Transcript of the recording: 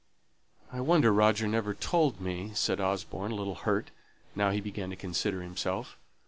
"I wonder Roger never told me," said Osborne, a little hurt, now he began to consider himself.